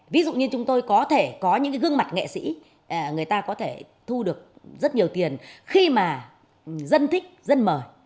ví dụ như chúng tôi có thể có những gương mặt nghệ sĩ người ta có thể thu được rất nhiều tiền khi mà dân thích dân mời